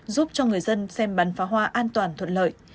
giúp cho người dân xem bắn phá hoa an toàn thuận lợi